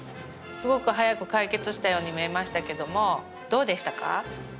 すごく早く解決したように見えましたけどもどうでしたか？